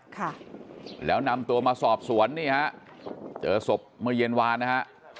ค่ะแล้วนำตัวมาสอบสวนนี่ฮะเจอศพเมื่อเย็นวานนะฮะ